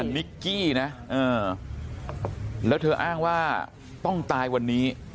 นิกกี้นะแล้วเธออ้างว่าต้องตายวันนี้